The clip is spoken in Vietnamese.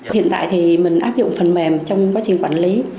hiện tại thì mình áp dụng phần mềm trong quá trình quản lý